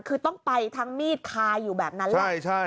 คือต้องไปทั้งมีดคาอยู่แบบนั้นแหละ